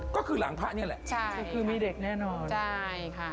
ก็คือหลังพระนี่แหละใช่คือมีเด็กแน่นอนใช่ค่ะ